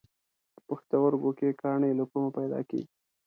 په پښتورګو کې کاڼي له کومه پیدا کېږي؟